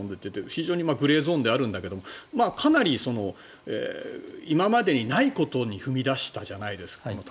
非常にグレーゾーンではあるんだけどかなり今までにないことに踏み出したじゃないですか。